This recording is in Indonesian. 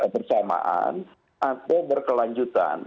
bersamaan atau berkelanjutan